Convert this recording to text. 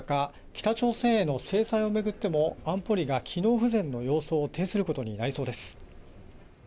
北朝鮮への制裁を巡っても安保理が機能不全の様相を呈することになりそうです。